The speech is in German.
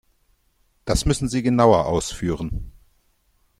Das müssen Sie genauer ausführen.